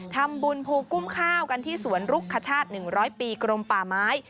ทำบุญภูกุ้มข้าวกันที่สวนรุกคชาติ๑๐๐ปีกรมป่าไม้